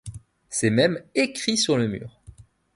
C’est même écrit sur le mur.